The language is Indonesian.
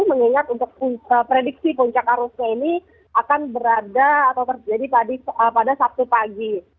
mengingat untuk prediksi puncak arusnya ini akan berada atau terjadi pada sabtu pagi